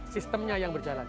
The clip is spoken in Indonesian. sistemnya yang berjalan